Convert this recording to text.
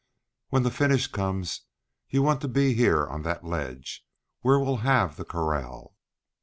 When the finish comes you want to be on that ledge where we'll have the corral."